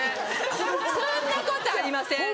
そんなことありません。